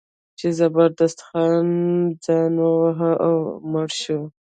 چې زبردست خان ځان وواهه او مړ شو.